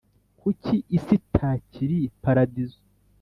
Kuki isi itakiri paradizo?